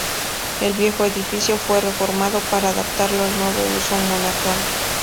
El viejo edificio fue reformado para adaptarlo al nuevo uso monacal.